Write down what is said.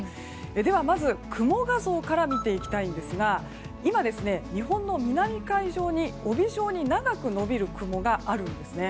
ではまず雲画像から見ていきたいんですが今、日本の南海上に帯状に長く延びる雲があるんですね。